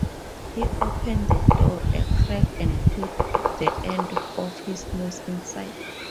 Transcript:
He opened the door a crack and put the end of his nose inside.